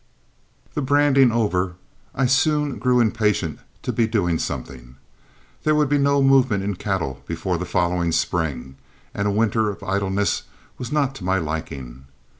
The branding over, I soon grew impatient to be doing something. There would be no movement in cattle before the following spring, and a winter of idleness was not to my liking.